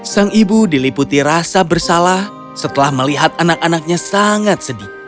sang ibu diliputi rasa bersalah setelah melihat anak anaknya sangat sedih